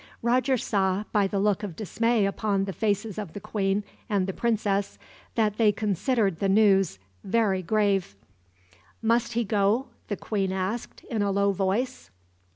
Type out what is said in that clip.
Roger saw, by the look of dismay upon the faces of the queen and the princess, that they considered the news very grave. "Must he go?" the queen asked, in a low voice.